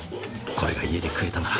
これが家で食えたなら。